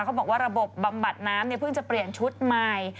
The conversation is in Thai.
เขาบอกว่าระบบบำบัดน้ำเนี่ยเพิ่งจะเปลี่ยนชุดใหม่